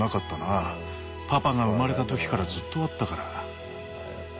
パパが生まれた時からずっとあったから。